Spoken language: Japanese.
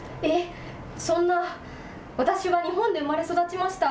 そんな、私は日本で生まれ育ちました。